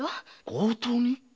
強盗に？